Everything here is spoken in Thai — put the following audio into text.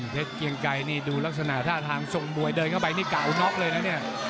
เกียงไกรนี่ดูลักษณะท่าทางส่งมวยเดินเข้าไปนี่เก่าน็อกเลยนะเนี่ย